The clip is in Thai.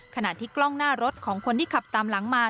ขณะที่กล้องหน้ารถของคนที่ขับตามหลังมา